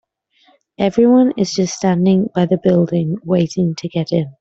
Everyone is just standing by the building, waiting to get in.